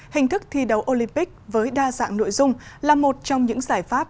hình thức thi đấu olympic với đa dạng nội dung là một trong những giải pháp